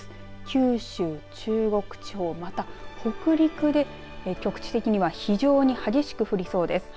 九州、中国地方また北陸で局地的には非常に激しく降りそうです。